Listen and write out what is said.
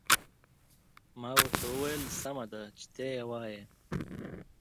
ما ورته وویل: سمه ده، چې ته يې وایې.